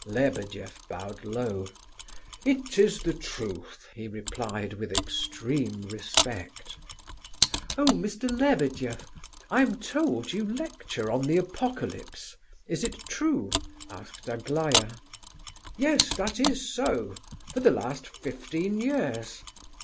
Lebedeff bowed low. "It is the truth," he replied, with extreme respect. "Oh, Mr. Lebedeff, I am told you lecture on the Apocalypse. Is it true?" asked Aglaya. "Yes, that is so... for the last fifteen years."